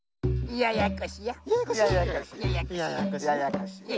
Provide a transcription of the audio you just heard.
ややこしや！